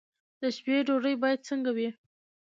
د شپې ډوډۍ باید څنګه وي؟